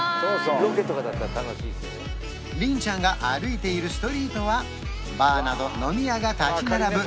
リンちゃんが歩いているストリートはバーなど飲み屋が立ち並ぶ